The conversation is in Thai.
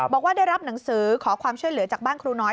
บอกว่าได้รับหนังสือขอความช่วยเหลือจากบ้านครูน้อย